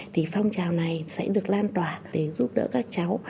thì phong trào này sẽ được lan tỏa để giúp đỡ các cháu